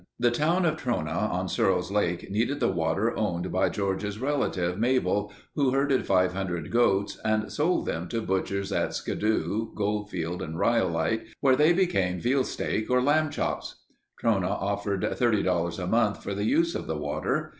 The town of Trona on Searles' Lake needed the water owned by George's relative, Mabel, who herded 500 goats and sold them to butchers at Skidoo, Goldfield, and Rhyolite where they became veal steak or lamb chops. Trona offered $30 a month for the use of the water.